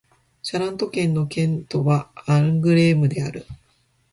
シャラント県の県都はアングレームである